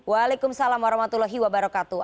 wa'alaikumussalam warahmatullahi wabarakatuh